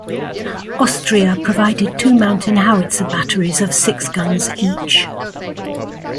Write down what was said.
Austria provided two mountain howitzer batteries of six guns each.